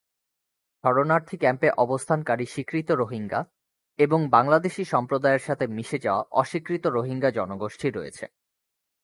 শরণার্থী ক্যাম্পে অবস্থানকারী স্বীকৃত রোহিঙ্গা এবং বাংলাদেশী সম্প্রদায়ের সাথে মিশে যাওয়া অস্বীকৃত রোহিঙ্গা জনগোষ্ঠী রয়েছে।